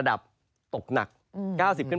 ทั้งเรื่องของฝน